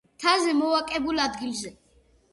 მთაზე, მოვაკებულ ადგილზე.